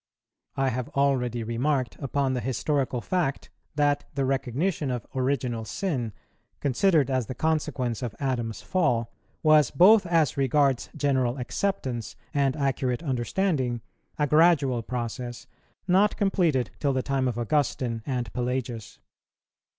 _ I have already remarked upon the historical fact, that the recognition of Original Sin, considered as the consequence of Adam's fall, was, both as regards general acceptance and accurate understanding, a gradual process, not completed till the time of Augustine and Pelagius.